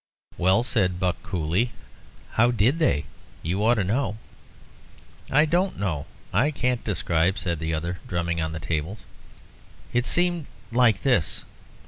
"Well," said Buck, coolly, "how did they? You ought to know." "I don't know; I can't describe," said the other, drumming on the table. "It seemed like this.